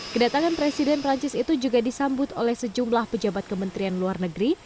kedatangan presiden perancis itu juga disambut oleh sejumlah pejabat kementerian luar negeri